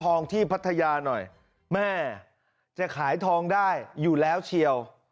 ทองที่พัทยาหน่อยแม่จะขายทองได้อยู่แล้วเชียว